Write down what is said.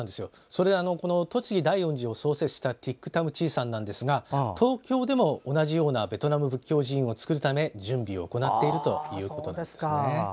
栃木県大恩寺を創設したティック・タム・チーさんは東京でも同じようなベトナム仏教寺院を作るため準備を行っているということです。